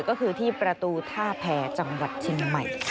ก็คือที่ประตูท่าแผ่จังหวัดเชียงใหม่ค่ะ